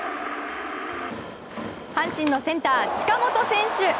阪神のセンター、近本選手。